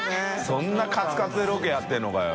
修鵑カツカツでロケやってるのかよ。